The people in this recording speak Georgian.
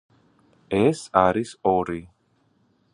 ეს არის ორი.